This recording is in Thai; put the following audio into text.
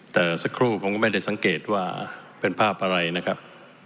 แต่สักครู่ผมก็ไม่ได้สังเกตว่าเป็นภาพอะไรนะครับ